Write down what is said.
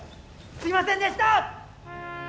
すいませんでした！